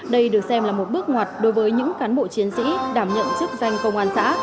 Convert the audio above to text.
đây được xem là một bước ngoặt đối với những cán bộ chiến sĩ đảm nhận chức danh công an xã